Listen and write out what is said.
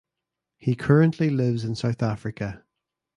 He currently lives in South Africa.